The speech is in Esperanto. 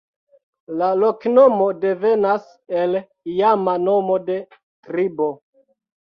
La loknomo devenas el iama nomo de tribo.